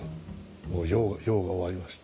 もう用が終わりました。